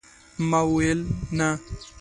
ما ويل ، نه !